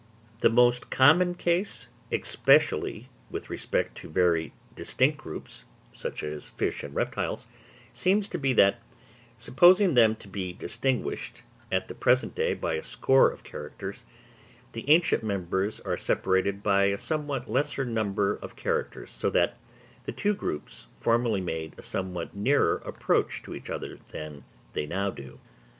The most common case, especially with respect to very distinct groups, such as fish and reptiles, seems to be that, supposing them to be distinguished at the present day by a score of characters, the ancient members are separated by a somewhat lesser number of characters, so that the two groups formerly made a somewhat nearer approach to each other than they now do.